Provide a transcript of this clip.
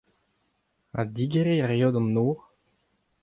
Ha digeriñ a reot an nor ?